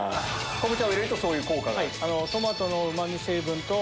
昆布茶を入れるとそういう効果が。